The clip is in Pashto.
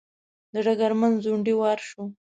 د ډګرمن ځونډي وار شو.